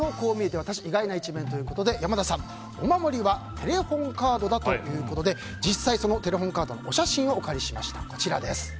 ワタシ意外な一面ということで山田さん、お守りはテレフォンカードだということで実際、そのテレフォンカードのお写真をお借りしました。